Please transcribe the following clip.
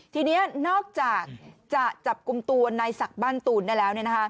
ทีนี้นอกจากจะจับกลุ่มตัวนายศักดิ์บ้านตูนได้แล้ว